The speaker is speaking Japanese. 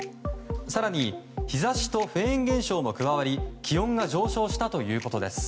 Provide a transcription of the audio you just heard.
更に、日差しとフェーン現象も加わり気温が上昇したということです。